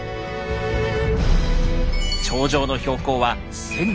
頂上の標高は１，２００ｍ。